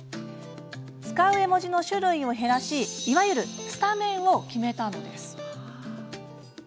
使う絵文字の種類を減らしいわゆるスタメンを決めたのです。